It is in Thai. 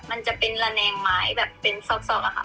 มันจะเป็นระแนงไม้แบบเป็นซอกอะค่ะ